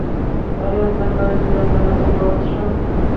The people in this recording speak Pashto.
ایا زه باید د نل اوبه وڅښم؟